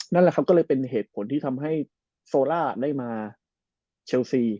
นั่นแหละครับก็เลยเป็นเหตุผลที่ทำให้โซล่าได้มาเชลซี